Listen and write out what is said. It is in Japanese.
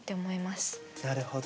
なるほど。